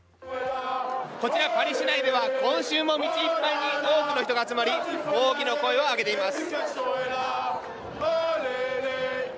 こちら、パリ市内では今週も道いっぱいに多くの人が集まり抗議の声を上げています。